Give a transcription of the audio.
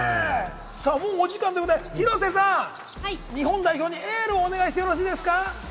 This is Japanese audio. もうお時間ということで、広瀬さん、日本代表にエールをお願いしてよろしいですか？